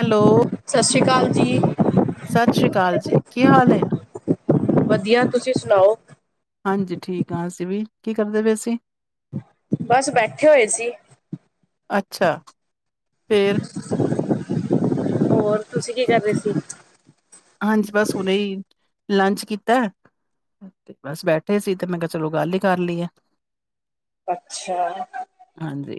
Hello? ਸਤਿ ਸ਼੍ਰੀ ਅਕਾਲ ਜੀ। ਸਤਿ ਸ੍ਰੀ ਅਕਾਲ ਜੀ ਕੀ ਹਾਲ ਏ ਵਧੀਆ ਤੁਸੀਂ ਸੁਣਾਓ! ਹਾਂਜੀ, ਠੀਕ ਹਾਂ ਅਸੀਂ ਵੀ! ਕੀ ਕਰਦੇ ਪਏ ਸੀ? ਬਸ ਬੈਠੇ ਹੋਏ ਸੀ। ਅੱਛਾ, ਫੇਰ ਹੋਰ, ਤੁਸੀਂ ਕੀ ਕਰ ਰਹੇ ਸੀ? ਹਾਂਜੀ, ਬਸ ਉਹਨੇ ਹੀ ਲੰਚ ਕੀਤਾ! ਬਸ ਬੈਠੇ ਸੀ। ਤੇ ਮੈਂ ਕਿਹਾ ਚਲੋ ਗੱਲ ਹੀ ਕਰ ਲਈਏ। ਅੱਛਾ। ਹਾਂਜੀ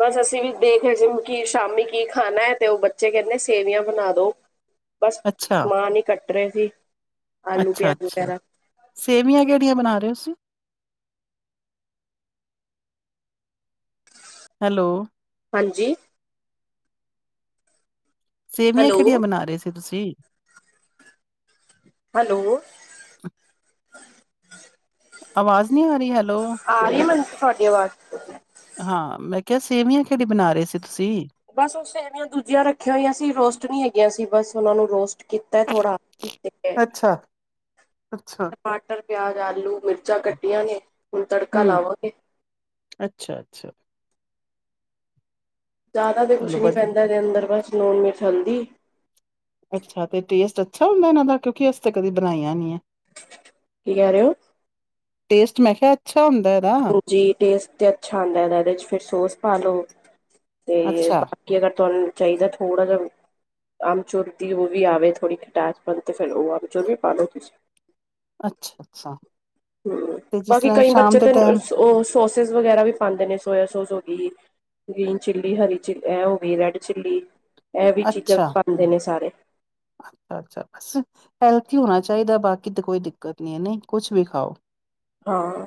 ਬਸ ਅਸੀਂ ਵੀ ਦੇਖ ਰਹੇ ਸੀ, ਕਿ ਸ਼ਾਮੀ ਕੀ ਖਾਣਾ ਹੈ? ਤੇ ਉਹ ਬੱਚੇ ਕਹਿੰਦੇ ਸੇਵੀਆਂ ਬਣਾ ਦੋ। ਬਸ ਅੱਛਾ। ਸਮਾਨ ਹੀ ਕੱਟ ਰਹੇ ਸੀ। ਆਲੂ ਅੱਛਾ ਪਿਆਜ ਅੱਛਾ! ਵਗੈਰਾ ਸੇਵੀਆਂ ਕਿਹੜੀਆਂ ਬਣਾ ਰਹੇ ਹੋ ਤੁਸੀਂ? ਹੈਲੋ। ਹਾਂਜੀ ਸੇਵੀਆਂ ਕਿਹੜੀਆਂ ਹੈਲੋ ਬਣਾ ਰਹੇ ਸੀ ਤੁਸੀਂ? ਹੈਲੋ ਆਵਾਜ਼ ਨਹੀਂ ਆ ਰਹੀ ਹੈਲੋ ਆ ਰਹੀ ਮੈਨੂੰ ਤੁਹਾਡੀ ਆਵਾਜ਼! ਹਾਂ, ਮੈਂ ਕਿਹਾ ਸੇਵੀਆਂ ਕਿਹੜੀ ਬਣਾ ਰਹੇ ਸੀ ਤੁਸੀਂ? ਬਸ ਉਹ ਸੇਵੀਆਂ ਦੂਜੀਆਂ ਰੱਖੀਆਂ ਹੋਈਆਂ ਸੀ। ਰੋਸਟ ਨੀ ਹੈਗੀਆਂ ਸੀ? ਬਸ ਉਹਨਾ ਨੂੰ ਰੋਸਟ ਕੀਤਾ ਥੋੜਾ। ਅੱ ਅੱਛਾ, ਅੱਛਾ। ਟਮਟਰ, ਪਿਆਜ, ਆਲੂ, ਮਿਰਚਾਂ ਕੱਟੀਆਂ ਨੇ ਹੁਣ ਤੜਕਾ ਹੂੰ, ਲਾਵਾਂਗੇ। ਅੱਛਾ-ਅੱਛਾ। ਜਾਦਾ ਤੇ ਕੁਛ ਚਲੋ ਨੀ ਬਸ। ਪੈਂਦਾ ਇਹਦੇ ਅੰਦਰ ਬਸ ਲੂਣ, ਮਿਰਚ, ਹਲਦੀ। ਅੱਛਾ ਤੇ ਟੇਸਟ ਅੱਛਾ ਹੁੰਦਾ ਇਹਨਾਂ ਦਾ ਕਿਉਂਕਿ ਅਸੀ ਤੇ ਕਦੇ ਬਣਾਇਆ ਨੀ ਹੈ। ਕੀ ਕਹਿ ਰਹੇ ਹੋ? ਟੇਸਟ ਮੈਂ ਕਿਹਾ ਅੱਛਾ ਹੁੰਦਾ ਇਹਦਾ। ਜੀ ਟੇਸਟ ਤੇ ਅੱਛਾ ਹੁੰਦਾ ਇਦਾ ਇਦੇ ਚ ਫੇਰ ਸੋਸ ਪਾ ਲੋ ਤੇ ਅੱਛਾ ਕਿ ਅਗਰ ਤੁਹਾਨੂੰ ਚਾਹੀਦਾ ਥੋੜ੍ਹਾ ਜਿਹਾ ਆਮਚੂਰ ਦੀ ਉਹ ਵੀ ਆਵੇ ਥੋੜ੍ਹੀ ਖਿਟਾਸ ਪਨ ਤੇ ਫਿਰ ਉਹ ਆਮਚੂਰ ਵੀ ਪਾਲੋ ਤੁਸੀਂ। ਅੱਛਾ-ਅੱਛਾ ਹਮ ਤੇ ਜਿਸ ਬਾਕੀ ਤਰ੍ਹਾਂ ਕਈ ਸ਼ਾਮ ਬੱਚੇ ਦੇ ਤੇ ਟੈਮ ਉਹ ਸੋਸਿਸ ਵਗੈਰਾ ਵੀ ਪਾਦੇ ਨੇ ਸੋਇਆ ਸੋਸ ਹੋ ਗਈ। ਗੀਨ ਚਿੱਲੀ, ਹਰੀ ਚ ਇਹ ਹੋ ਗਈ ਰੈਡ ਚਿੱਲੀ ਇਹ ਵੀ ਚੀਜ਼ਾਂ ਪਾਉਂਦੇ ਨੇ ਸਾਰੇ। ਅੱਛਾ-ਅੱਛਾ ਬੱਸ। ਹੈਲਥੀ ਹੋਣਾ ਚਾਹੀਦਾ ਬਾਕੀ ਤਾਂ ਕੋਈ ਦਿੱਕਤ ਨੀ ਹੈ ਨਹੀਂ ਕੁਛ ਵੀ ਖਾਓ। ਹਾਂ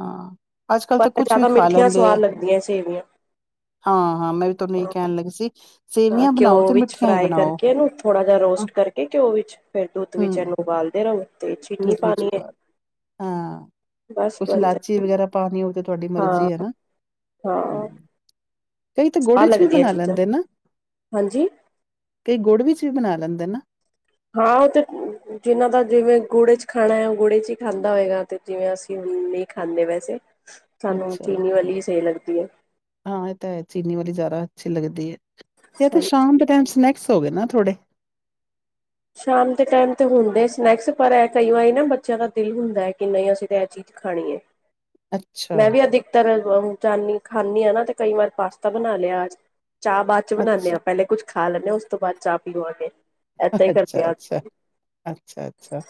ਹਾਂ ਅੱਜ ਕੱਲ੍ਹ ਪਰ ਤਾਂ ਕੁਛ ਵੀ ਜ਼ਿਆਦਾ ਖਾ ਮਿੱਠੀਆਂ ਲੈਂਦੇ ਹੈ। ਸਵਾਦ ਲੱਗਦੀਆਂ ਸੇਵੀਆਂ ਹਾਂ-ਹਾਂ ਮੈਂ ਵੀ ਤੁਹਾਨੂੰ ਹਾਂ ਇਹ ਕਹਿਣ ਲੱਗੀ ਸੀ ਸੇਵੀਆਂ ਬਣਾਓ ਤੇ ਮਿੱਠੀਆਂ ਹੀ ਬਣਾਓ। ਥੋੜ੍ਹਾ ਜਿਹਾ ਅ, ਰੋਸਟ ਕਰਕੇ ਘਿਓ ਵਿੱਚ ਫਿਰ ਦੁੱਧ ਵਿੱਚ ਹਮ ਇਹਨੂੰ ਉਬਾਲਦੇ ਰਹੋ ਤੇ ਚੀਨੀ ਦੁੱਧ ਵਿੱਚ ਪਾਣੀ ਏ। ਪਾ ਹਾਂ ਕੁਛ ਲਾਚੀ ਵਗੈਰਾ ਪਾਨੀ ਹੋ ਤੇ ਤੁਹਾਡੀ ਹਾਂ ਮਰਜ਼ੀ ਹੈ ਨਾ। ਹਾਂ। ਕਈ ਤੇ ਗੁੜ ਸਵਾਦ ਵਿੱਚ ਵੀ ਲੱਗਦੀ ਹੈ ਬਣਾ ਚੀਜ਼ਾਂ ਲੈਂਦੇ ਨਾ। ਹਾਂਜੀ ਕਈ ਗੁੜ ਵਿੱਚ ਚ ਵੀ ਬਣਾ ਲੈਂਦੇ ਨਾ। ਹਾਂ ਉਹ ਤੇ ਜਿਨਾਂ ਦਾ ਜਿਵੇਂ ਗੁੜ ਚ ਖਾਣਾ ਹੈ ਉਹ ਗੁੜ ਚ ਹੀ ਖਾਂਦਾ ਹੋਏਗਾ ਤੇ ਜਿਵੇਂ ਅਸੀਂ ਨੀ ਖਾਂਦੇ ਵੈਸੇ। ਸਾਨੂੰ ਅੱਛਾ ਚੀਨੀ ਵਾਲੀ ਹੀ ਸਹੀ ਲੱਗਦੀ ਹੈ। ਹਾਂ ਇਹ ਤਾਂ ਹੈ ਚੀਨੀ ਵਾਲੀ ਜਾਦਾ ਅੱਛੀ ਲੱਗਦੀ ਹੈ ਇਹ ਤਾਂ ਸਾਨੂੰ ਸ਼ਾਮ ਟੈਮ ਸਨੈਕਸ ਹੋਏ ਨਾ ਥੋੜੇ। ਸ਼ਾਮ ਦੇ ਟੈਮ ਤੇ ਹੁੰਦੇ ਸਨੈਕਸ ਪਰ ਇਹ ਕਈ ਵਾਰੀ ਨਾ ਬੱਚਿਆਂ ਦਾ ਦਿਲ ਹੁੰਦਾ ਹੈ ਕਿ ਨਹੀਂ ਅਸੀਂ ਤਾਂ ਇਹ ਚੀਜ਼ ਖਾਣੀ ਏ, ਅੱਛਾ, ਮੈਂ ਵੀ ਅੱਧ ਤਰ ਜਾਂਦੀ ਖਾਂਦੀ ਆ ਨਾ ਤੇ ਕਈ ਵਾਰ ਪਾਸਤਾ ਬਣਾ ਲਿਆ ਅਜ ਚਾਹ ਬਾਦ ਚ ਬਣਾਨੇ ਅੱਛਾ, ਹਾ। ਪਹਿਲੇ ਕੁੱਛ ਖਾ ਲੈਣੇ ਉਸ ਤੋਂ ਬਾਅਦ ਚਾਹ ਪੀਵਾਂਗੇ ਏਦਾ ਹੀ ਕਰ ਅੱਛਾ-ਅੱਛਾ, ਅੱਛਾ-ਅੱਛਾ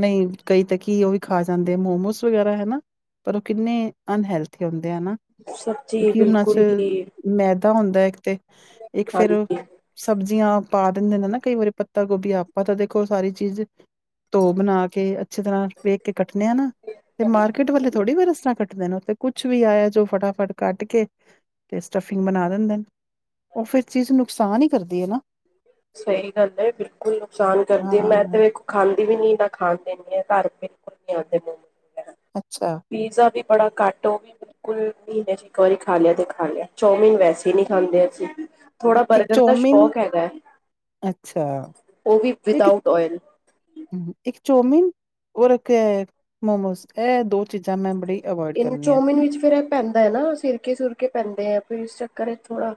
ਨਈਂ ਕਈ ਤੇ ਕੀ ਉਹ ਵੀ ਖਾ ਜਾਂਦੇ ਮੋਮੋਸ ਵਗੈਰਾ ਹਨਾ ਪਰ ਉਹ ਕਿੰਨੇ ਅਨਹੈਲਥੀ ਹੁੰਦੇ ਹਨਾ। ਸਬਜ਼ੀ ਕਿਉਂਕਿ ਉਹਨਾਂ ਚ ਬਿਲਕੁਲ ਹੀ ਮੈਦਾ ਹੁੰਦਾ ਹੈ ਇੱਕ ਤੇ ਇੱਕ ਫੇਰ ਹਾਂਜੀ ਸਬਜ਼ੀਆਂ ਪਾ ਦਿੰਦੇ ਨੇ ਨਾ ਕਈ ਵਾਰੀ ਪੱਤਾ ਗੋਭੀ ਆਪਾਂ ਤਾਂ ਦੇਖੋ ਸਾਰੀ ਚੀਜ਼ ਧੋ ਬਣਾ ਕੇ ਅੱਛੀ ਤਰ੍ਹਾਂ ਵੇਖ ਕੇ ਕੱਟਣੇ ਆ ਨਾ ਤੇ ਮਾਰਕੀਟ ਵਾਲੇ ਥੋੜ੍ਹੀ ਬ ਇਸ ਤਰ੍ਹਾਂ ਕੱਟ ਦੇ ਨੇ ਉਹ ਤੇ ਕੁਝ ਵੀ ਆਇਆ ਜੋ ਫਟਾਫਟ ਕੱਟ ਕੇ ਤੇ ਸਟੱਫਿੰਗ ਬਣਾ ਦਿੰਦੇ ਨੇ। ਉਹ ਫਿਰ ਚੀਜ਼ ਨੁਕਸਾਨ ਹੀ ਕਰਦੀ ਹੈ ਨਾ। ਸਹੀ ਗੱਲ ਹੈ ਬਿਲਕੁਲ ਨੁਕਸਾਨ ਕਰਦੀ ਮੈਂ ਤੇ ਵੇਖੋ ਖਾਂਦੀ ਵੀ ਨੀ ਨਾ ਖਾਣ ਦੇਣੀ ਆ ਘਰ ਬਿਲਕੁਲ ਨੀ ਆਉਂਦੇ ਮੋਮੋਸ ਵਗੈਰਾ। ਅੱਛਾ। ਪੀਜ਼ਾ ਵੀ ਬੜਾ ਘੱਟ ਉਹ ਵੀ ਬਿਲਕੁਲ ਮਹੀਨੇ ਵਿਚ ਇੱਕ ਵਾਰੀ ਖਾ ਲਿਆ ਤੇ ਖਾ ਲਿਆ ਚੌਮਿਨ ਵੈਸੇ ਹੀ ਨੀ ਖਾਂਦੇ ਅਸੀਂ। ਥੋੜਾ ਬਰਗਰ ਦਾ ਸ਼ੌਕ ਹੈਗਾ, ਉਹ ਵੀ ਵਿਦਾਉਟ ਓਇਲ। ਇੱਕ ਚੋਮਿਨ ਔਰ ਇੱਕ ਏ ਮੋਮੋਸ ਇਹ ਦੋ ਚੀਜ਼ਾਂ ਮੈਂ ਬੜੀ ਅਵੋਇਡ ਇਹਨੂੰ ਕਰਨੀਆਂ। ਚੌਮਿਨ ਵਿੱਚ ਫੇਰ ਇਹ ਪੈਂਦਾ ਹੈ ਨਾ, ਸਿਰਕੇ ਸੁਰਕੇ ਪੈਂਦੇ ਫਿਰ ਆ ਇਸ ਚੱਕਰ ਥੋੜ੍ਹਾ।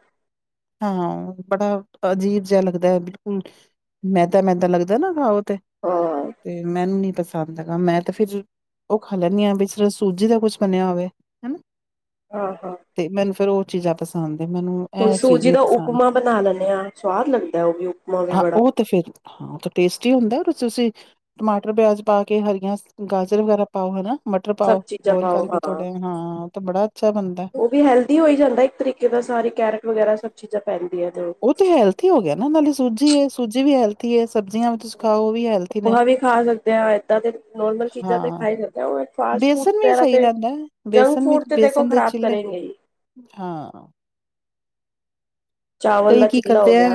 ਹਾਂ ਬੜਾ ਅਜੀਬ ਜਿਹਾ ਲੱਗਦਾ ਹੈ ਬਿਲਕੁਲ ਮੈਦਾ-ਮੈਦਾ ਲੱਗਦਾ ਨਾ ਖਾਓ। ਤੇ ਹਾਂ ਮੈਨੂੰ ਨੀ ਪਸੰਦ। ਕਮ ਸੇ ਕਮ ਮੈਂ ਤੇ ਫਿਰ ਉਹ ਖਾ ਲੈਂਨੀ ਆਂ, ਬਈ ਸੂਜੀ ਦਾ ਕੁਛ ਬਣਿਆ ਹੋਵੇ। ਹੈਨਾ ਹਾਂ ਹਾਂ ਤੇ ਮੈਨੂੰ ਫੇਰ ਉਹ ਚੀਜ਼ਾਂ ਪਸੰਦ ਹੈ, ਮੈਨੂੰ ਇਹ ਚੀਜ਼ ਨਹੀਂ ਜੀਦੋਂ ਪਸੰਦ। ਉਪਮਾ ਬਣਾ ਲੈਂਨੇ ਆਂ, ਸਵਾਦ ਲੱਗਦਾ ਉਹ ਵੀ ਉਪਮਾ ਵੀ ਹਾਂ ਬੜਾ। ਉਹ ਤੇ ਫਿਰ ਟੇਸਟੀ ਹੁੰਦਾ ਵੀ ਫਿਰ ਤੁਸੀਂ। ਟਮਾਟਰ ਪਿਆਜ ਪਾ ਕੇ ਹਰੀਆਂ ਗਾਜਰ ਵਗੈਰਾ। ਪਾਓ ਹੈਨਾ ਮਟਰ ਸਭ ਪਾਓ ਚੀਜ਼ਾਂ ਬੋਇਲ ਪਾਓ ਕਰਕੇ ਹਾਂ ਥੋੜੇ, ਹਾਂ ਤਾਂ ਬੜਾ ਅੱਛਾ ਬਣਦਾ। ਬਈ ਹੈਲਥੀ ਹੋ ਹੀ ਜਾਂਦਾ ਇੱਕ ਤਰੀਕੇ ਦਾ ਸਾਰੀ ਕੈਰਟ ਵਗੈਰਾ ਸਭ ਚੀਜ਼ਾਂ ਪੈਂਦੀਆਂ ਤੇ। ਉਹ ਤੇ ਹੈਲਥੀ ਹੋ ਗਿਆ ਨਾ ਨਾਲੇ ਸੂਜੀ ਹੈ ਸੂਜੀ ਵੀ ਹੈਲਥੀ ਹੈ ਸਬਜ਼ੀਆਂ। ਤੁਸੀਂ ਖਾਓ ਉਹ ਵੀ ਹੈਲਥੀ ਨੇ ਉਪਮਾ ਵੀ ਖਾ ਸਕਦੇ ਹਾਂ, ਏਦਾਂ ਦੇ ਨੋਰਮਲ ਚੀਜ਼ਾਂ ਤੇ ਹਾਂ ਖਾ ਹੀ ਸਕਦੇ ਹਾਂ। ਫਾਸਟ ਫੂਡ ਬੇਸਨ ਵੀ ਵਗੈਰਾ ਸਹੀ ਤੇ ਰਹਿੰਦਾ ਹੈ ਜੰਕ ਬੇਸਨ ਵੀ ਫੂਡ ਤੇ ਦੇਖੋ ਬੇਸਨ ਦੇ ਖ਼ਰਾਬ ਚਿੱਲੇ ਕਰੇਗੇ ਹੀ। ਹਾਂ ਚਾਵਲ ਕਈ ਦਾ ਕੀ ਚਿੱਲਾ ਹੋ ਕਰਦੇ ਹੈ ਗਿਆ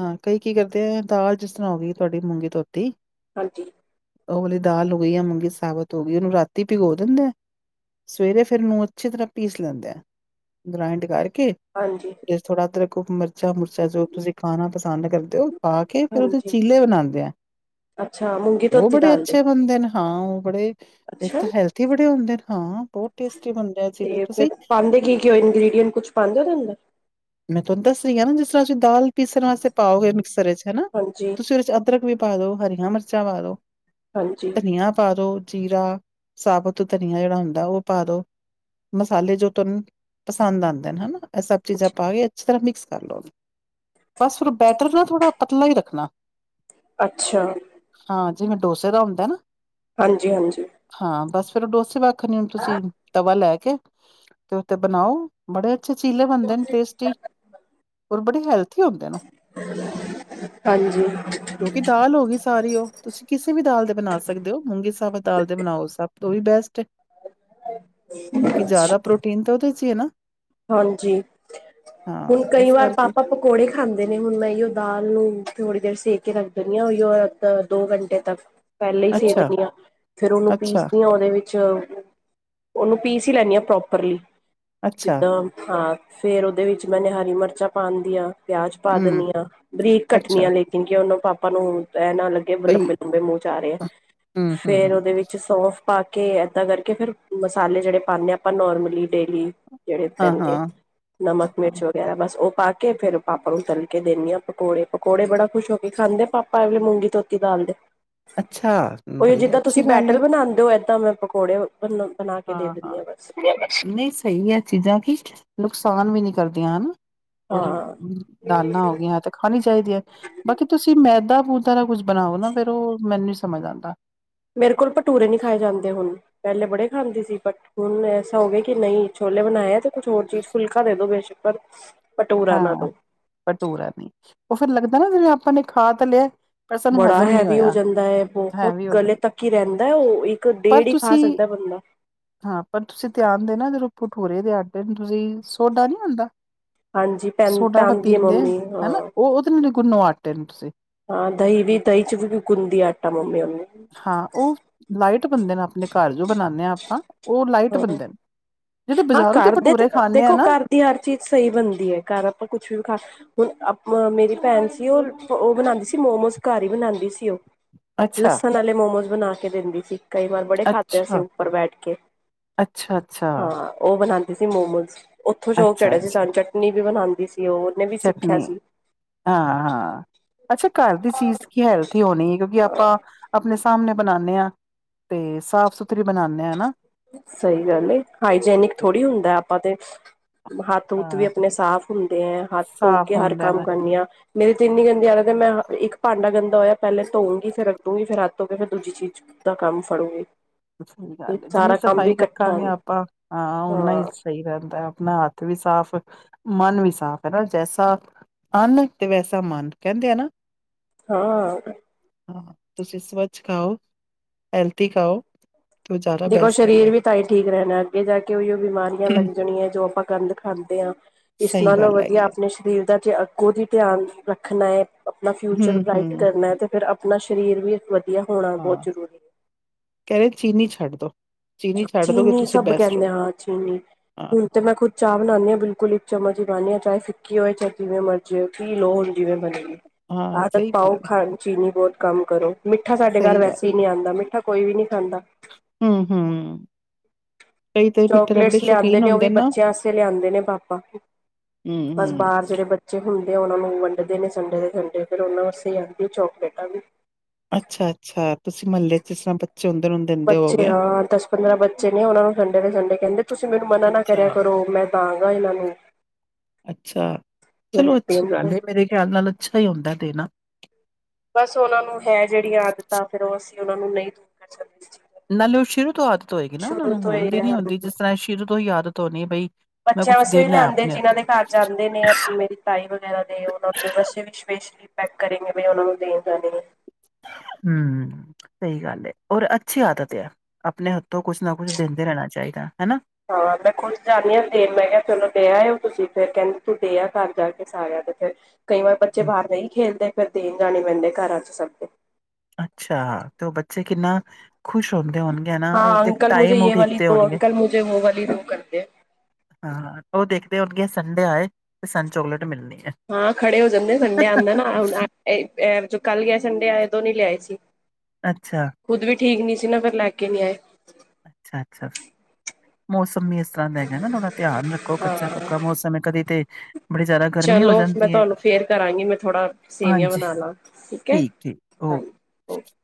ਹਾਂ ਕਈ ਕੀ ਕਰਦੇ ਹੈ ਦਾਲ ਜਿਸ ਤਰ੍ਹਾਂ ਹੋਗੀ ਤੁਹਾਡੀ ਮੂੰਗੀ ਧੋਤੀ। ਹਾਂਜੀ। ਉਹ ਵਾਲੀ ਦਾਲ ਹੋ ਗਈ, ਯਾ ਮੂੰਗੀ ਸਾਬਤ ਹੋ ਗਈ ਉਹਨੂੰ ਰਾਤੀ ਭਿਗੋ ਦਿੰਦੇ ਐ। ਸਵੇਰੇ ਫਿਰ ਔ ਨੂੰ ਅੱਛੀ ਤਰ੍ਹਾਂ ਪੀਸ ਲੈਂਦੇ ਆ ਗਰਾਇੰਡ ਕਰਕੇ, ਹਾਂਜੀ ਫਿਰ ਇਸ ਵਿਚ ਥੋੜਾ ਅਦਰਕ। ਖ਼ੂਬ ਮਿਰਚਾਂ ਮੁਰਚਾਂ ਜੋ ਤੁਸੀਂ ਖਾਣਾ ਪਸੰਦ ਕਰਦੇ ਹੋ ਉਹ ਖਾ ਕੇ ਫਿਰ ਉਹਦੇ ਹਾਂਜੀ ਚੀਲੇ ਬਣਾਉਂਦੇ ਆ। ਅੱਛਾ ਮੂੰਗੀ ਧੋਤੀ ਦਾਲ ਦੇ। ਹੁੰਦੇ ਨੇ ਹਾਂ ਉਹ ਬੜੇ। ਇੱਕ ਅੱਛਾ ਤਾਂ ਹੈਲਥੀ ਬੜੇ ਹੁੰਦੇ, ਹਾਂ ਬਹੁਤ ਟੇਸਟੀ ਬਣਦੇ ਆ ਚਿੱਲੇ ਤੁਸੀਂ। ਕਿਉ ਇੰਗਰੀਡੀਅਟ ਕੁਛ ਪਾਉਦੇ ਹੋ ਓਹਦੇ ਅੰਦਰ। ਮੈਂ ਤੁਹਾਨੂੰ ਦੱਸ ਰਹੀ ਆ ਨਾ ਜਿਸ ਤਰ੍ਹਾਂ ਤੁਸੀਂ ਦਾਲ ਪੀਸਣ ਵਾਸਤੇ ਪਾਓਗੇ ਮਿਕਸਰ ਵਿਚ ਹੈਨਾ, ਹਾਂਜੀ ਤੁਸੀਂ ਉਹਦੇ ਚ ਅਦਰਕ। ਅਦਰਕ ਵੀ ਪਾ ਦੋ, ਹਰੀਆਂ ਮਿਰਚਾਂ ਪਾ ਦੋ, ਹਾਂਜੀ ਧਨੀਆ ਪਾ ਦੋ, ਜੀਰਾ। ਸਾਬਤ ਧਨੀਆ ਜਿਹੜਾ ਹੁੰਦਾ ਉਹ ਪਾ ਦੋ। ਮਸਾਲੇ ਜੋ ਤੁਹਾਨੂੰ ਪਸੰਦ ਆਉਂਦੇ ਨੇ ਹੈਨਾ ਇਹ ਸਭ ਚੀਜ਼ਾਂ ਪਾ ਕੇ। ਅੱਛੀ ਤਰ੍ਹਾਂ ਮਿਕਸ ਕਰ ਲਓ, ਬਸ ਫਿਰ ਬੈਟਰ ਨਾ ਥੋੜ੍ਹਾ ਪਤਲਾ ਹੀ ਰੱਖਣਾ। ਅੱਛਾ। ਹਾਂ ਜਿਵੇਂ ਡੋਸੇ ਦਾ ਹੁੰਦਾ ਨਾ। ਹਾਂਜੀ-ਹਾਂਜੀ। ਹਾਂ ਬਸ ਫੇਰ ਉਹ ਡੋਸੇ ਵਾਖਣ ਹੀ ਹੁਣ ਤੁਸੀਂ। ਤਵਾ ਲੈ ਕੇ ਤੇ ਉੱਥੇ ਬਣਾਓ ਬੜੇ ਅੱਛੇ ਚੀਲੇ ਬਣਦੇ ਨੇ ਟੇਸਟੀ ਔਰ ਬੜੀ ਹੈਲਥ ਹਾਂਜੀ ਕਿਉਂਕਿ ਦਾਲ ਹੋ ਗਈ ਸਾਰੀ ਉਹ, ਤੁਸੀਂ ਕਿਸੇ ਵੀ ਦਾਲ ਦੇ ਬਣਾ ਸਕਦੇ ਹੋ ਮੂੰਗੀ ਸਾਬਤ ਦਾਲ ਦੇ ਬਣਾਓ ਸਭ ਤੋਂ ਵੀ ਬੈਸਟ ਹੈ ਕਿਉਂਕਿ ਜ਼ਿਆਦਾ ਪ੍ਰੋਟੀਨ ਤਾਂ ਉਹਦੇ ਚ ਹੀ ਹੈ ਨਾ ਹਾਂਜੀ ਹਾਂ ਹੁਣ ਕਈ ਇਸ ਵਾਰ ਕਰਕੇ ਪਾਪਾ ਕੋ ਪਕੌੜੇ ਖਾਂਦੇ ਨੇ, ਹੁਣ ਮੈਂ ਇਹੀਓ ਦਾਲ ਨੂੰ ਥੋੜੀ ਦੇਰ ਸੇ ਕੇ ਰੱਖ ਦਿੰਦੀ ਹਾਂ ਓਹੀਓ ਦੋ ਘੰਟੇ ਤੱਕ ਪਹਿਲੇ ਹੀ ਸੇ ਅੱਛਾ ਦੇਨੀ ਆਂ ਫਿਰ ਉਹਨੂੰ ਅੱਛਾ ਪੀਸਦੀ ਹਾਂ ਉਹਦੇ ਵਿੱਚ ਉਹਨੂੰ ਪੀਸ ਹੀ ਲੈਣੀ ਹਾਂ ਪ੍ਰੋਪਰਲੀ ਅੱਛਾ ਜਿੱਦਾਂ ਹਾਂ ਫ਼ੇਰ ਉਹਦੇ ਵਿੱਚ ਮੈਨੇ ਹਰੀ ਮਿਰਚਾਂ ਪਾਉਣ ਦੀਆਂ ਪਿਆਜ ਪਾ ਹਮ ਦਿੰਨੀ ਆ ਬਰੀਕ ਕੱਟਣੀ ਅੱਛਾ ਆ ਲੇਕਿਨ ਕਿ ਉਹਨੂੰ ਪਾਪਾ ਨੂੰ ਇਹ ਨਾ ਲੱਗ ਬਈ ਲੰਬੇ ਲੰਬੇ ਮੂੰਹ ਚ ਆ ਰਹੇ ਹੈ ਹਮ ਫੇਰ ਹਮ ਉਹਦੇ ਵਿੱਚ ਸੋਫ ਪਾ ਕੇ ਏਦਾਂ ਕਰਕੇ ਫਿਰ ਮਸਾਲੇ ਜਿਹੜੇ ਪਾਣੇ ਆਂ ਆਪਾਂ ਨੋਰਮਲੀ ਡੇਲੀ ਜਿਹੜੇ ਹਾਂ ਪੈਂਦੇ ਹਾਂ ਨਮਕ, ਹਾਂ ਹਾਂ। ਮਿਰਚ ਮੇ ਬਸ ਉਹ ਪਾ ਕੇ ਫੇਰ ਪਾਪਾ ਨੂੰ ਤਲ ਕੇ ਦਿੰਨੀ ਆਂ ਪਕੌੜੇ, ਪਕੌੜੇ ਬੜਾ ਖੁਸ਼ ਹੋ ਕੇ ਖਾਂਦੇ ਪਾਪਾ ਮੁੰਗੀ ਤੋਤੀ ਦਾਲ ਦੇ ਅੱਛਾ ਉਹੀ ਬੜੀ ਜਿੱਦਾਂ ਤੁਸੀਂ ਅੱਛੀ ਗੱਲ ਹੈ ਬੈਟਰ ਬਣਾਉਂਦੇ ਔ, ਏਦਾਂ ਮੈਂ ਪਕੌੜੇ ਬਨਾਂਦੀ ਹਾਂ ਹਾਂ, ਨਈਂ ਸਹੀ ਐ ਚੀਜ਼ਾਂ ਕੀ ਨੁਕਸਾਨ ਵੀ ਨੀ ਕਰਦੀਆਂ ਹਨਾਔ। ਹੋਰ ਹਂ ਹਾਂ ਦਾਲਾਂ ਹੋ ਗਈਆਂ ਐ ਤੇ ਖਾਣੀ ਚਾਈਦੀ ਐ, ਬਾਕੀ ਤੁਸੀਂ ਮੈਦਾ ਮੂਦਾ ਦਾ ਕੁੱਝ ਬਣਾਓ ਨਾ ਫੇਰ ਉਹ ਮੈਨੂੰ ਨੀ ਸਮਝ ਆਂਦਾ ਮੇਰੇ ਕੋਲ ਭਟੂਰੇ ਨਈਂ ਖਾਏ ਜਾਂਦੇ ਹੁਣ ਪਹਿਲੇ ਬੜੇ ਖਾਂਦੀ ਸੀ ਬਟ ਹੁਣ ਐਸਾ ਹੋ ਗਿਆ ਕਿ ਨਈਂ ਛੋਲੇ ਬਣਾਇ ਏ ਤੇ ਕੁਛ ਹੋਰ ਚੀਜ਼ ਫੁਲਕਾ ਦੇ ਦੋ ਬੇਸ਼ੱਕ ਪਰ ਭਟੂਰਾ ਨਾ ਹਾਂ ਦੋ ਭਟੂਰਾ ਨਈਂ, ਉਹ ਫੇਰ ਲੱਗਦਾ ਨਾ ਜਿਵੇਂ ਆਪਾਂ ਨੇ ਖਾ ਤਾਂ ਲਿਆ ਪਰ ਸਾਨੂੰ ਬੜਾ ਹਜ਼ਮ ਨਹੀਂ ਹੈਵੀ ਹੋ ਹੋਇਆ ਜਾਂਦਾ ਐ, ਬਹੁਤ ਹੈਵੀ ਹੋ ਗਲੇ ਜਾਂਦਾ ਤੱਕ ਹੀ ਰਹਿੰਦਾ ਐ ਉਹ ਇੱਕ ਪਰ ਡੇੜ ਹੀ ਖਾ ਤੁਸੀਂ ਸਕਦਾ ਬੰਦਾ। ਹਾਂ ਪਰ ਤੁਸੀਂ ਧਿਆਨ ਦੇ ਨਾ ਜਦੋਂ ਭਟੂਰੇ ਦੇ ਆਟੇ ਨੂੰ ਤੁਸੀਂ ਸੋਡਾ ਨੀ ਹੁੰਦਾ ਹਾਂਜੀ। ਪੈ ਸੋਡਾ [unintelligible] ਪੈਂਦੀ ਹੈ ਪੀਂਦੇ ਆ ਮੰਮੀ ਹਾਂ ਹਨਾ ਉਹ ਉਹਦੇ ਨਾਲ ਗੁਨੋ ਆਟੇ ਨੂੰਂ ਤੁਸੀ ਹਾਂ ਦਹੀਂ ਵੀ ਦਹੀਂ ਚ ਵੀ ਗੁੰਦੀ ਆਟਾ ਮੰਮੀ [unintelligible] ਹਾਂ ਉਹ ਲਾਈਟ ਬੰਨਦੇ ਨੇ, ਆਪਣੇ ਘਰ ਜੋ ਬਣਾਉਂਦੇ ਆਂ ਆਪਾਂ ਉਹ ਲਾਈਟ ਹਾਂ ਬਣਦੇ, ਜਿਹੜੇ ਹਾਂ ਬਾਜ਼ਾਰੋ ਦੇ ਘਰ ਤੇ ਬਟੂਰੇ ਖਾਂਣੇ ਆਂ ਦੇਖੋ ਨਾ ਘਰ ਦੀ ਹਰ ਚੀਜ਼ ਸਹੀ ਬਣਦੀ ਐ, ਘਰ ਆਪਾਂ ਕੁਛ ਵੀ ਖਾ ਹੁਣ ਅ ਮੇਰੀ ਭੈਣ ਸੀ ਉਹ ਉਹ ਬਣਾਉਂਦੀ ਸੀ ਮੋਮੋਸ ਘਰ ਹੀ ਬਣਾਉਂਦੀ ਸੀ ਉਹ ਅੱਛਾ ਲਸਣ ਆਲੇ ਮੋਮੋਸ ਬਣਾ ਕੇ ਦਿੰਦੀ ਸੀ ਕਈ ਵਾਰ ਬੜੇ ਖਾਦੇ ਅਸੀ ਅੱਛਾ ਉੱਪਰ ਬੈਠ ਕੇ। ਅੱਛਾ। ਹਾਂ ਉਹ ਬਣਾਂਦੀ ਸੀ ਮੋਮੋਸ, ਉੱਥੋਂ ਸ਼ੋਕ ਅੱਛਾ ਚੜਿਆ ਸੀ ਅੱਛਾ ਸਾਨੂੰ ਚਟਨੀ ਵੀ ਬਣਾਂਦੀ ਸੀ ਉਹ ਉਹਨੇ ਵੀ ਸਿੱਖਿਆ ਚਟਨੀ ਸੀ ਹਾਂ ਹਾਂ। ਅੱਛਾ ਘਰ ਦੀ ਚੀਜ਼ ਕੀ ਹੈਲਥੀ ਹੋਣੀ ਐ ਕਿਉਂਕਿ ਆਪਾਂ ਆਪਣੇ ਸਾਮਣੇ ਬਣਾਣੇ ਆਂ ਤੇ ਸਾਫ਼ ਸੁਥਰੀ ਬਣਾਣੇ ਆਂ ਹਨਾ। ਸਹੀ ਗੱਲ ਏ ਹਾਈਜੇਨਿਕ ਥੋੜ੍ਹੀ ਹੁੰਦਾ ਆਪਾਂ ਤੇ ਹੱਥ ਹੁਥ ਵੀ ਹਾਂ ਆਪਣੇ ਸਾਫ਼ ਹੁੰਦੇ ਐ, ਹੱਥ ਧੋ ਸਾਫ਼ ਕੇ ਹਰ ਹੁੰਦੇ ਕੰਮ ਨੇ ਕਰਨੇ ਆ। ਮੇਰੇ ਤੇ ਇਨੀ ਗੰਦੀ ਆਦਤ ਏ ਤੇ ਮੈਂ ਇੱਕ ਭਾਂਡਾ ਗੰਦਾ ਹੋਇਆ ਪਹਿਲੇ ਧੋਉਗੀ ਫਿਰ ਰਖੂੰਗੀ, ਫਿਰ ਹੱਥ ਧੋ ਕੇ ਫਿਰ ਦੂਜੀ ਚੀਜ਼ ਤਾਂ ਕੰਮ ਫ਼ਡੋਗੇ ਸਹੀ ਗੱਲ ਐ, ਜਿੰਨੀ ਸਫ਼ਾਈ ਰੱਖਾਂਗੇ ਆਪਾਂ ਹਾਂ ਓਨਾ ਈ ਸਹੀ ਰਹਿੰਦਾ, ਆਪਣਾ ਹੱਥ ਵੀ ਸਾਫ਼ ਮਨ ਵੀ ਸਾਫ਼ ਐ ਨਾ ਜੈਸਾ ਅੰਨ ਤੇ ਵੈਸਾ ਮਨ ਕਹਿੰਦੇ ਆ ਨਾ। ਹਾਂ। ਤੁਸੀਂ ਸਵੱਛ ਖਾਓ, ਹੈਲਥੀ ਖਾਓ। ਤੇ ਉਹ ਜ਼ਿਆਦਾ ਦੇਖੋ ਬੈਸਟ ਸ਼ਰੀਰ ਹੈਗਾ ਵੀ ਤਾਂਈ ਠੀਕ ਰਹਿਣਾ ਅੱਗੇ ਜਾ ਕੇ ਉਈ ਉਹ ਬਿਮਾਰੀਆਂ ਲੱਗ ਜਾਣੀਆਂ ਐ ਜੋ ਆਪਾਂ ਗੰਦ ਖਾਂਦੇ ਆਂ, ਇਸ ਸਹੀ ਨਾਲੋਂ ਗੱਲ ਵਧੀਆ ਹੈਗੀ ਹੈ ਆਪਣੇ ਸਰੀਰ ਦਾ ਧਿਆਨ ਅੱਗੂ ਦੀ ਧਿਆਨ ਰੱਖਣਾ ਐ। ਆਪਣਾ ਫਿਊਚਰ ਹਮ ਬਰਾਈਟ ਹਮ ਕਰਨਾ ਤੇ ਫਿਰ ਆਪਣਾ ਸਰੀਰ ਵੀ ਵਧੀਆ ਹੋਣਾ ਬਹੁਤ ਹਾਂ ਜ਼ਰੂਰੀ। ਕਹਿ ਰਹੇ ਚੀਨੀ ਛੱਡ ਦੋ। ਚੀਨੀ ਛੱਡ ਦੋਗੇ ਚੀਨੀ ਤੁਸੀਂ ਸਭ ਬੈਸਟ ਕਹਿੰਦੇ ਰਹੋ ਹਾਂ ਚੀਨੀ। ਹਾਂ ਹੁਣ ਤੇ ਮੈਂ ਖੁਦ ਚਾਹ ਬਣਾਣੀ ਆਂ, ਬਿਲਕੁੱਲ ਇੱਕ ਚੱਮਚ ਈ ਪਾਣੀ ਆਂ ਚਾਹੇ ਫੀਕੀ ਹੋਵੇ ਚਾਏ ਜਿਵੇਂ ਮਰਜ਼ੀ ਹੋਵੇ ਪੀ ਲੋ ਹੁਣ ਜਿਵੇਂ ਬਣੀ। ਹਾਂ ਆਦਤ ਸਹੀ ਗੱਲ ਪਾਓ ਹੈ ਖਾਣ ਚੀਨੀ ਬਹੁਤ ਕੰਮ ਕਰੋ ਮਿੱਠਾ ਸਾਡੇ ਘਰ ਸਹੀ ਵੈਸੇ ਗੱਲ ਈ ਨਈਂ ਆਂਦਾ ਮਿੱਠਾ ਕੋਈ ਵੀ ਨੀ ਖਾਂਦਾ। ਹਂ, ਹਂ। ਚੋਕਲੇਟਸ ਲਿਆਂਦੇ ਸ਼ੌਕੀਨ ਨੇ ਉਹ ਵੀ ਹੁੰਦੇ ਨਾ ਬੱਚਿਆਂ ਆਸਤੇ ਲਿਆਂਦੇ ਨੇ ਪਾਪਾ। ਹੁ ਹੁ ਬਸ ਬਾਹਰ ਜਿਹੜੇ ਬੱਚੇ ਹੁੰਦੇ ਆ ਉਹਨਾਂ ਨੂੰ ਵੰਡਦੇ ਨੇ ਸੰਡੇ ਦੇ ਸੰਡੇ ਫੇਰ ਉਹਨਾਂ ਵਾਸਤੇ ਆਂਦੀ ਚੋਕਲੇਟਾਂ ਵੀ। ਅੱਛਾ ਅੱਛਾ ਤੁਸੀਂ ਮਹੱਲੇ ਜਿਸ ਤਰ੍ਹਾਂ ਬੱਚੇ ਹੁੰਦੇ ਉਹਨਾਂ ਨੂੰ ਦਿੰਦੇ ਬੱਚੇ ਹੋਗੇ। ਹਾਂ ਦਸ ਪੰਦਰਾਂ ਬੱਚੇ ਨੇ ਉਹਨਾਂ ਨੂੰ ਸੰਡੇ ਦੇ ਸੰਡੇ ਕਹਿੰਦੇ ਤੁਸੀਂ ਮੈਨੂੰ ਮਨਾ ਨਾ ਕਰਿਆ ਅੱਛਾ, ਕਰੋ ਮੈਂ ਦਾਂਗਾ ਇਹਨਾਂ ਨੂੰ। ਅੱਛਾ ਚਲੋ ਅੱਛੀ ਗੱਲ ਏ ਮੇਰੇ ਖਿਆਲ ਨਾਲ ਅੱਛਾ ਹੀ ਹੁੰਦਾ ਦੇਨਾ। ਬਸ ਉਹਨਾਂ ਨੂੰ ਹੈ ਜਿਹੜੀ ਆਦਤਾਂ ਫੇਰ ਉਹ ਅਸੀਂ ਉਹਨਾ ਨੂੰ ਨਹੀਂ ਦੂਰ ਕਰ ਸਕਦੇ ਸੀ। ਨਾਲੇ ਉਹ ਸ਼ੁਰੂ ਤੋਂ ਆਦਤ ਹੋਏਗੀ ਨਾ ਉਹਨਾਂ ਨੂੰ ਤੋਂ ਹੀ ਹੁਨ ਦੀ ਨੀ ਹਨ। ਹੁੰਦੀ ਜਿਸ ਤਰ੍ਹਾਂ ਇਹ ਸ਼ੁਰੂ ਤੋਂ ਹੀ ਆਦਤ ਹੋਨੀ ਹੈ ਬਈ ਮੈਂ ਬੱਚਿਆਂ ਕੁਛ ਵਾਸਤੇ ਵੀ ਦੇਣਾ ਲਿਆਂਦੇ ਆਪਣੇ ਜਿਹਨਾਂ ਹੱਥ। ਦੇ ਘਰ ਜਾਂਦੇ ਨੇ ਮੇਰੀ ਤਾਈ ਵਗੈਰਾ ਦੇ ਉਹਨਾਂ ਦੇ ਵਾਸਤੇ ਵਿਸ਼ੇਸ਼ ਵੀ ਪੈਕ ਕਰੇਗੇ ਵੀ ਉਹਨਾਂ ਨੂੰ ਦੇਨ ਜਾਂਦੇ ਨੇ। ਹੁ ਸਹੀ ਗੱਲ ਹੈ ਔਰ ਅੱਛੀ ਆਦਤ ਹੈ ਅਪਨੇ ਹੱਥੋਂ ਕੁੱਛ ਨਾ ਕੁੱਝ ਦੇਂਦੇ ਰਹਿਣਾ ਚਾਹੀਦਾ ਹੈਨਾ। ਹਾਂ ਮੈਂ ਖੁੱਦ ਜਾਂਨੀ ਹਾਂ ਫੇਰ ਮੈਂ ਕਿਹਾ ਚਲੋ ਦੇ ਆਏ ੳ ਤੁਸੀਂ ਫੇਰ ਕਹਿੰਦੇ ਤੂੰ ਦੇ ਆ ਘਰ ਜਾ ਕੇ ਸਾਰਿਆਂ ਦੇ। ਫੇਰ ਕਈ ਵਾਰ ਬੱਚੇ ਬਾਹਰ ਨਹੀਂ ਖੇਲਦੇ ਫੇਰ ਦੇਨ ਜਾਨੇਂ ਪੈਂਦੇ ਘਰਾਂ ਚੱ ਸਭ ਦੇ। ਅੱਛਾ ਤੇ ਉਹ ਬੱਚੇ ਕਿੰਨਾ ਖੁਸ਼ ਹੁੰਦੇ ਹੋਨ ਹੈਨਾ ਉਹ ਤੇ ਟਾਈਮ ਉਡੀਕਦੇ ਹੋਨਗੇ। ਹਾਂ ਉਹ ਦੇਖਦੇ ਹੋਨਗੇ ਸੰਡੇ ਆਏ ਤੇ ਸਾਨੂੰ ਚੋਕਲੇਟ ਮਿਲਣੀ ਏ। ਹਾਂ ਖੜੇ ਹੋ ਜਾਂਦੇ ਸੰਡੇ ਆਂਦਾ ਨਾ ਏਹ ਜੋ ਕੱਲ ਗਿਆ ਸੰਡੇ ਆਏ ਉਦੋ ਨਹੀਂ ਲਿਆਏ ਸੀ। ਅੱਛਾ। ਖੁੱਦ ਵੀ ਠੀਕ ਨੀ ਸੀ ਨਾ ਫੇਰ ਲੈ ਕੇ ਨੀ ਆਏ। ਅੱਛਾ ਅੱਛਾ ਮੌਸਮ ਵੀ ਇਸ ਤਰਾਂ ਹੈਗਾ ਨਾ ਥੋੜ੍ਹਾ ਧਿਆਨ ਰੱਖੋ ਕੱਚਾ ਹਾਂ ਪੱਕਾ ਮੌਸਮ ਹੈ ਕਦੇ ਤੇ ਬੜੀ ਜ਼ਿਆਦਾ ਗਰਮੀ ਹੋ ਚਲੋ ਮੈਂ ਜਾਂਦੀ ਹੈ। ਤੁਹਾਨੂੰ ਫ਼ੇਰ ਕਰਾਂਗੀ ਮੈਂ ਥੋੜਾ ਸੇਵੀਆਂ ਹਾਂਜੀ, ਬਨਾ ਲਾਂ ਠੀਕ ਹੈ। ਹਾਂ [unintelligible] [unintelligible] ਹ [unintelligible] [unintelligible]